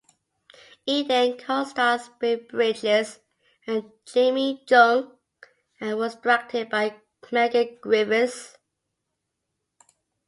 "Eden" costars Beau Bridges and Jamie Chung and was directed by Megan Griffiths.